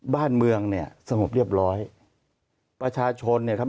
บ้านเมืองเนี่ยสงบเรียบร้อยประชาชนเนี่ยครับ